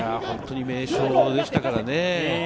本当に名将でしたからね。